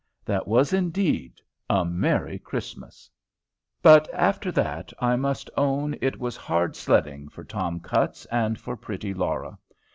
That was indeed a merry Christmas! But after that I must own it was hard sledding for Tom Cutts and for pretty Laura.